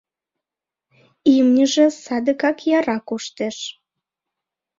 Имньыже садыгак яра коштеш.